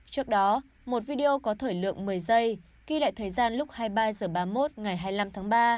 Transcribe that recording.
trước đó một video có thời lượng một mươi giây ghi lại thời gian lúc hai mươi ba h ba mươi một ngày hai mươi năm tháng ba